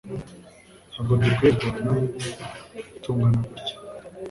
Ntabwo dukwiye kurwana tungana gutya